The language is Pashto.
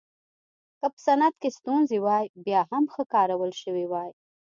که په صنعت کې ستونزې وای بیا هم ښه کارول شوې وای.